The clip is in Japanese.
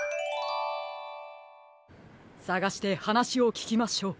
さがしてはなしをききましょう。